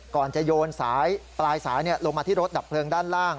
ก่อนจะโยนสายปลายสายลงมาที่รถดับเพลิงด้านล่าง